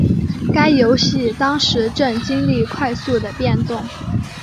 该游戏当时正经历快速的变动。